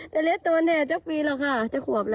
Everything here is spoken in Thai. แต่เลือดตัวเนี่ยเจ้าปีเหรอค่ะเจ้าขวบเหรอ